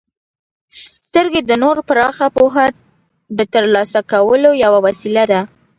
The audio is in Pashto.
•سترګې د نور پراخه پوهه د ترلاسه کولو یوه وسیله ده.